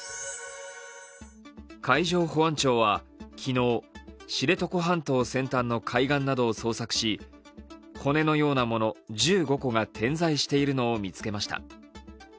海上保安庁は昨日、知床半島先端の海岸などを捜索し骨のようなもの１５個が点在しているのを見つけました。